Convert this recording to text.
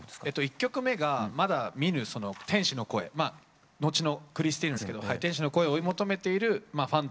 １曲目がまだ見ぬその天使の声後のクリスティーヌなんですけど天使の声を追い求めているファントムの歌。